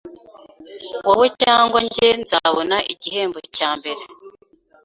Wowe cyangwa njye nzabona igihembo cyambere.